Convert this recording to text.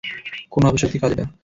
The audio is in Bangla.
কোন অপশক্তির কাজ এটা?